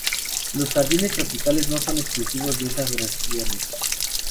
Los jardines tropicales no son exclusivos de esas regiones.